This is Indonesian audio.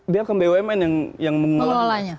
biarkan bumn yang mengelolanya